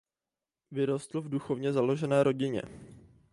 Vyrostl v duchovně založené rodině.